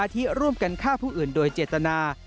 ที่ร่วมกันฆ่าผู้อื่นโดยเจตนา